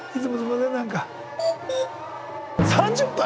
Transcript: ３０分！？